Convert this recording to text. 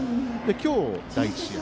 今日、第１試合。